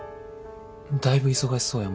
だいぶ忙しそうやもんな。